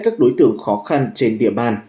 các đối tượng khó khăn trên địa bàn